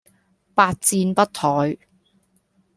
百戰不殆